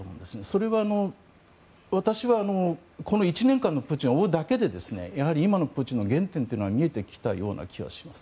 それは、私はこの１年間のプーチンを追うだけでやはり今のプーチンの原点が見えてきたような気がします。